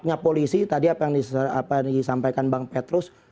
punya polisi tadi apa yang disampaikan bang petrus